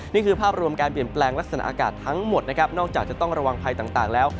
นี่คือภาพรวมการเปลี่ยนแปลงลักษณะอากาศทั้งหมดนะครับนอกจากจะต้องระวังภัยต่างแล้ว